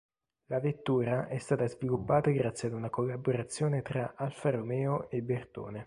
La vettura è stata sviluppata grazie ad una collaborazione tra Alfa Romeo e Bertone.